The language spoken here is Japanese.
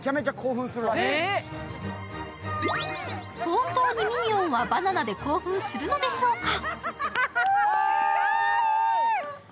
本当にミニオンはバナナで興奮するのでしょうか。